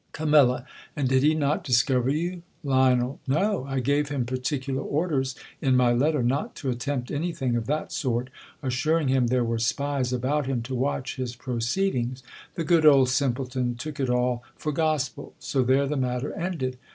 Cam, And did he not discover you ? Lion, No ; J gave him })articular orders, in my letter, not to attempt any thing of that sort ; assuring him there were spies about him to watch his proceedings. The good old simple toH took it all for gospel. So there the matter ended.